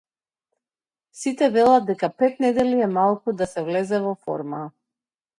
Сите велат дека пет недели е малку да се влезе во форма.